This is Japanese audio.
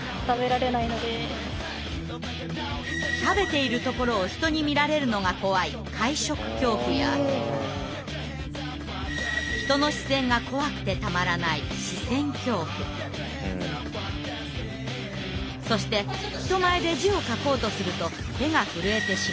食べているところを人に見られるのが怖い人の視線が怖くてたまらないそして人前で字を書こうとすると手が震えてしまう書痙など。